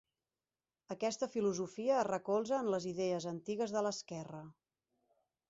Aquesta filosofia es recolza en les idees antigues de l'esquerra.